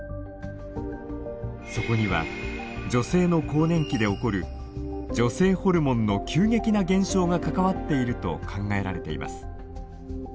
そこには女性の更年期で起こる女性ホルモンの急激な減少が関わっていると考えられています。